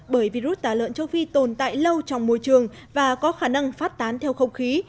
bởi virus tả lợn châu phi tồn tại lâu trong môi trường và có khả năng phát tán theo không khí